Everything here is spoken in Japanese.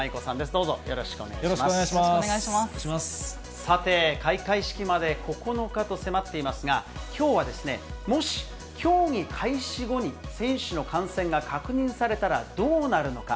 さて、開会式まで９日と迫っていますが、きょうはですね、もし競技開始後に選手の感染が確認されたら、どうなるのか。